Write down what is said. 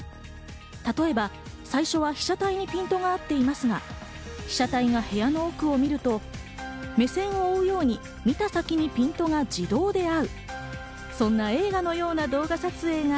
例えば最初は被写体にピントが合っていますが、被写体が部屋の奥を見ると目線を追うように見た先にピントが自動にあう。